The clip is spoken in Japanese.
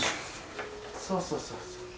そうそうそうそう。